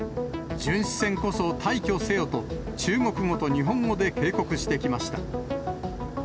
巡視船こそ退去せよと、中国語と日本語で警告してきました。